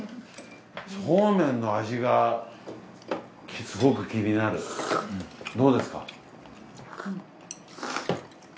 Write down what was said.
そうめんの味がすごく気になるどうですか？